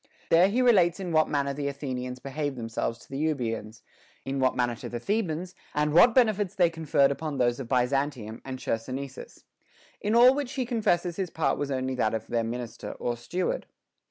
There he relates in what manner the Athenians behaved themselves to the Euboeans, in what manner to the The bans, and what benefits they conferred upon those of Byzantium and Chersonesus ; in all which he confesses his part was only that of their minister or steward.